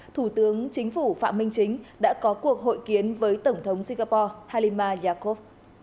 thủ tướng chính phủ phạm minh chính đã có cuộc hội kiến với tổng thống singapore halima yakov